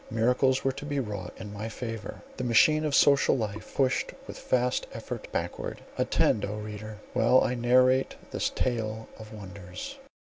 Miracles were to be wrought in my favour, the machine of social life pushed with vast effort backward. Attend, O reader! while I narrate this tale of wonders!